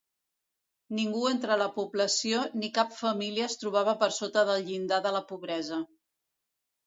Ningú entre la població ni cap família es trobava per sota del llindar de pobresa.